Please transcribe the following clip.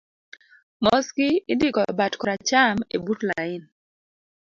mosgi indiko e bat koracham ebut lain